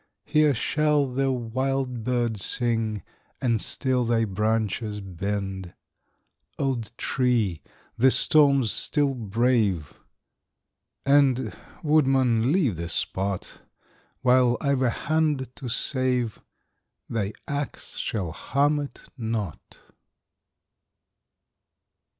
Here shall the wild bird sing, And still thy branches bend. Old tree! the storm still brave! And, woodman, leave the spot; While I've a hand to save, Thy ax shall harm it not!